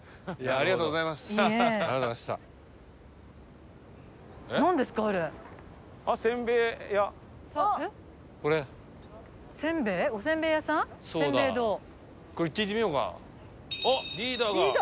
あっリーダーが。